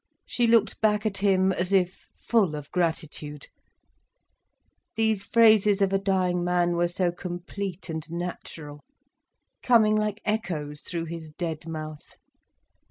She looked back at him as if full of gratitude. These phrases of a dying man were so complete and natural, coming like echoes through his dead mouth.